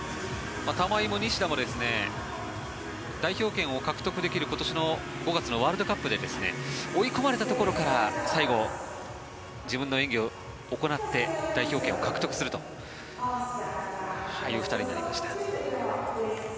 玉井も西田も代表権を獲得できる今年の５月のワールドカップで追い込まれたところから最後、自分の演技を行って代表権を獲得するという２人になりました。